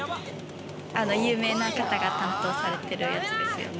有名な方が担当されてるやつですよね。